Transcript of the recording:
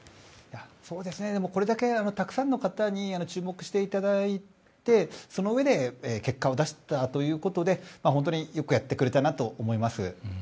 これだけたくさんの方に注目していただいてそのうえで結果を出したということで本当によくやってくれたなと思います。